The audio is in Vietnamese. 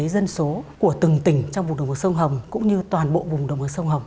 dân số của từng tỉnh trong vùng đồng bằng sông hồng cũng như toàn bộ vùng đồng bằng sông hồng